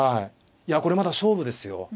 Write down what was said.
いやこれまだ勝負ですよ。